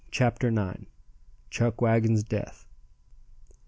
CHAPTER IX. CHUCKWAGON'S DEATH.